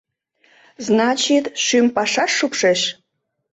— Значит, шӱм пашаш шупшеш?